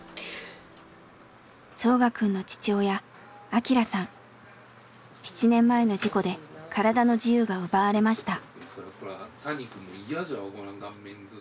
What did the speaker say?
ソウガくんの７年前の事故で体の自由が奪われました。